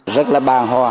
rất là bàn hoa